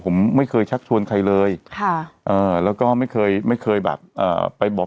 ผมไม่เคยชักชวนใครเลยค่ะเอ่อแล้วก็ไม่เคยไม่เคยแบบเอ่อไปบอก